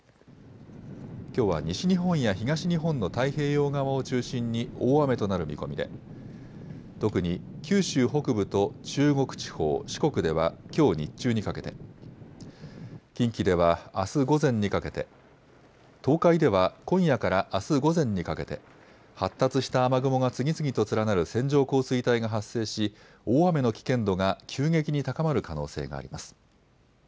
きょうは西日本や東日本の太平洋側を中心に大雨となる見込みで、特に九州北部と中国地方、四国ではきょう日中にかけて、近畿ではあす午前にかけて、東海では今夜からあす午前にかけて、発達した雨雲が次々と連なる線状降水帯が発生し、大雨の危険度が急激に高まる可能性があります。